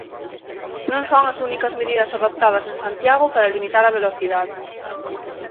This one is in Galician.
Non son as únicas medidas adoptadas en Santiago para limitar a velocidade.